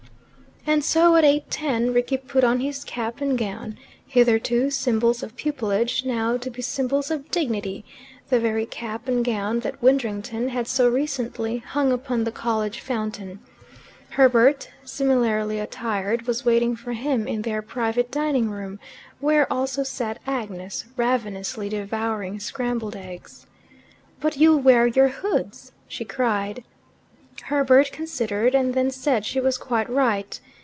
And so, at eight ten, Rickie put on his cap and gown, hitherto symbols of pupilage, now to be symbols of dignity, the very cap and gown that Widdrington had so recently hung upon the college fountain. Herbert, similarly attired, was waiting for him in their private dining room, where also sat Agnes, ravenously devouring scrambled eggs. "But you'll wear your hoods," she cried. Herbert considered, and them said she was quite right.